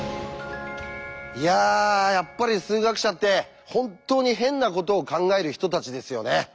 いややっぱり数学者って本当に変なことを考える人たちですよね。